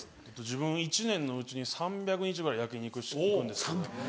自分一年のうちに３００日ぐらい焼き肉行くんですけど。